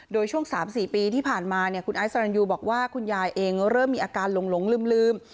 โดยช่วง๓๔ปีที่ผ่านมาเนี่ยคุณไอซ์สรรยูบอกว่าคุณยายเองเริ่มมีอาการหลงลืม